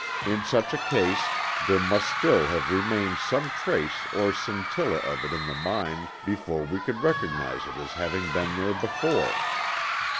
In such a case there must still have remained some trace or scintilla of it in the mind before we could recognize it as having been there before."